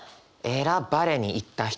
選ばれに行った人。